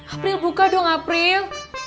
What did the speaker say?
april buka dong april